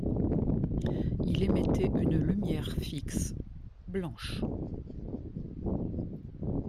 Il émettait une lumière fixe blanche.